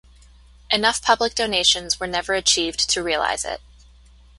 Enough public donations were never achieved to realise it.